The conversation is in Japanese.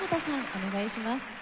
お願いします。